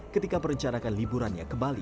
ketika merencanakan liburannya ke bali